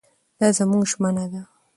دا زموږ ژمنه ده.